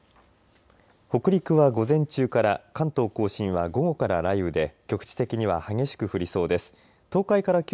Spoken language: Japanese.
北陸は午前中から関東甲信は午後から雷雨で局地的には激しく降りそうです。